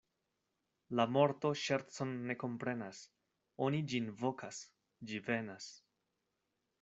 La morto ŝercon ne komprenas: oni ĝin vokas, ĝi venas.